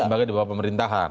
lembaga di bawah pemerintahan